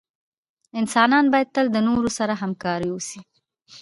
انسانان باید تل دنورو سره همکار اوسې